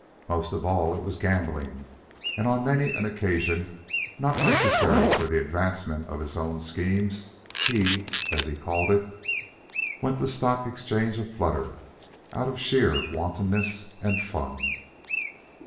Most of all, it was gambling, and on many an occasion not necessary for the advancement of his own schemes, he, as he called it, went the stock exchange a flutter, out of sheer wantonness and fun.